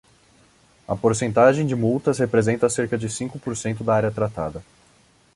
A porcentagem de multas representa cerca de cinco por cento da área tratada.